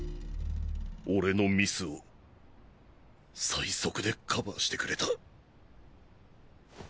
俺のミスを最速でカバーしてくれた。